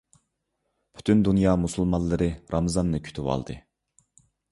پۈتۈن دۇنيا مۇسۇلمانلىرى رامىزاننى كۈتۈۋالدى.